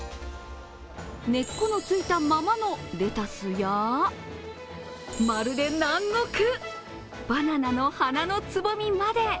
根っこのついたままのレタスや、まるで南国、バナナの花のつぼみまで。